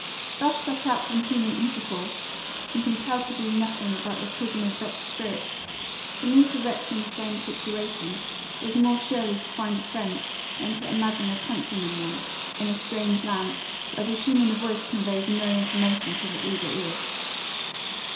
Thus shut out from human intercourse, and compelled to view nothing but the prison of vexed spirits, to meet a wretch in the same situation, was more surely to find a friend, than to imagine a countryman one, in a strange land, where the human voice conveys no information to the eager ear.